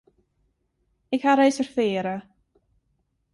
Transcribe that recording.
Ik ha reservearre.